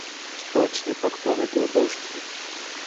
Společně pak planetu opouští.